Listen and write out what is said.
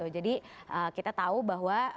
jadi kita tahu bahwa